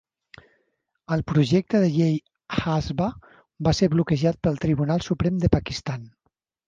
El projecte de llei Hasba va ser bloquejat pel Tribunal Suprem del Pakistan.